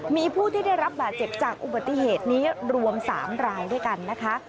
มีผู้ที่ได้รับบาดเจ็บจากอุบัติเหตุนี้รวม๓รายด้วยกันนะคะ